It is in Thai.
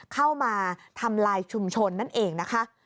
เข้ามาทำลายชุมชนนั่นเองนะคะ